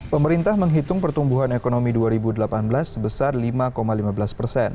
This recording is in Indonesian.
pemerintah menghitung pertumbuhan ekonomi dua ribu delapan belas sebesar lima lima belas persen